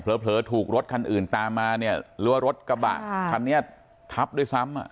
เผลอถูกรถคันอื่นตามมาเนี่ยหรือว่ารถกระบะคันนี้ทับด้วยซ้ำอ่ะ